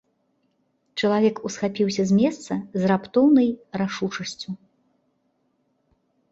Чалавек усхапіўся з месца з раптоўнай рашучасцю.